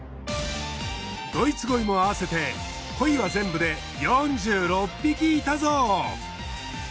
ドイツゴイも合わせてコイは全部で４６匹いたぞ！